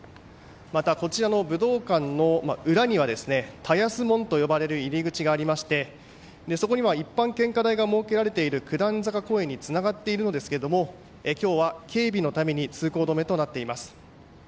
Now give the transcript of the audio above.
また、こちらの武道館の裏には田安門と呼ばれる入り口がありましてそこには一般献花台が設けられている九段坂公園につながっているんですが今日は警備のために通行止めになっています。